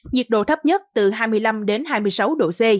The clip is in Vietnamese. nhiệt độ thấp nhất từ hai mươi năm đến hai mươi sáu độ c